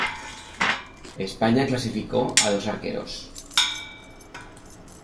España clasificó a dos arqueros.